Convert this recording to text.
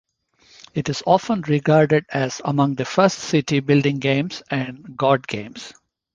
It is often regarded as among the first city building games and god games.